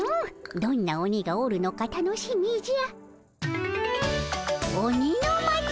どんな鬼がおるのか楽しみじゃ。